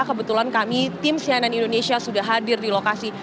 kebetulan kami tim cnn indonesia sudah hadir di lokasi